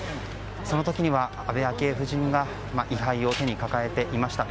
その時には、安倍昭恵夫人が位牌を手に抱えていました。